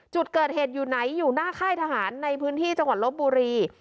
จุดเกิดเหตุอยู่ไหนอยู่หน้าค่ายทหารในพื้นที่จังหวัดลบบุรี